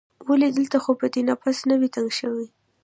ولې؟ دلته خو به دې نفس نه وي تنګ شوی؟